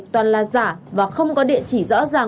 toàn là giả và không có địa chỉ rõ ràng